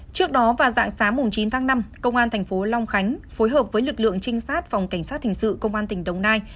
trước đó vào dạng sáng chín tháng năm công an thành phố long khánh phối hợp với lực lượng trinh sát phòng cảnh sát hình sự công an tỉnh đồng nai